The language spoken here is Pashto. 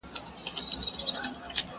کرونا،